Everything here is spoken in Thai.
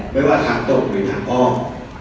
ไม่ว่าทางตกหรือทางกล้อง